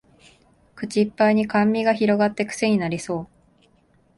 口いっぱいに甘味が広がってクセになりそう